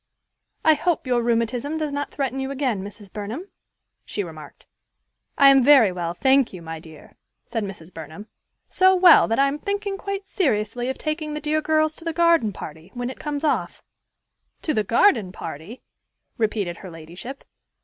"I hope your rheumatism does not threaten you again, Mrs. Burnham," she remarked. "I am very well, thank you, my dear," said Mrs. Burnham; "so well, that I am thinking quite seriously of taking the dear girls to the garden party, when it comes off." "To the garden party!" repeated her ladyship.